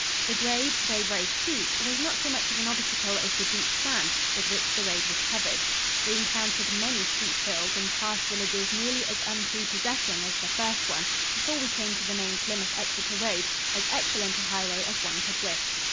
The grade, though very steep, was not so much of an obstacle as the deep sand, with which the road was covered. We encountered many steep hills and passed villages nearly as unprepossessing as the first one before we came to the main Plymouth Exeter road, as excellent a highway as one could wish.